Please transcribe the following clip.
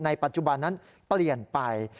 ปัจจุบันนั้นเปลี่ยนไป